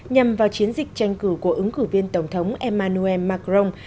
nhằm vào chiến dịch tranh cử của ứng cử viên tổng thống emmanuel macron